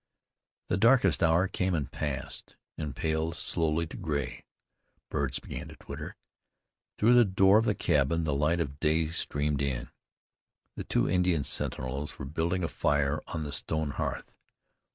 The darkest hour came, and passed, and paled slowly to gray. Birds began to twitter. Through the door of the cabin the light of day streamed in. The two Indian sentinels were building a fire on the stone hearth.